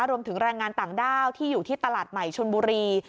รวมถึงแรงงานต่างด้าวที่อยู่ที่ตลาดใหม่ชนบุรี